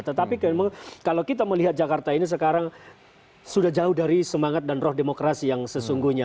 tetapi kalau kita melihat jakarta ini sekarang sudah jauh dari semangat dan roh demokrasi yang sesungguhnya